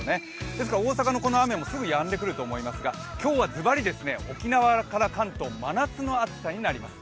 ですから、大阪のこの雨もすぐやんでくると思いますが、今日はズバリ、沖縄から関東、真夏の暑さになります。